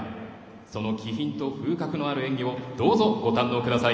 その気品と風格のある演技をどうぞご堪能ください。